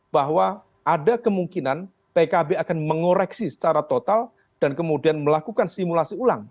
bahwa ada kemungkinan pkb akan mengoreksi secara total dan kemudian melakukan simulasi ulang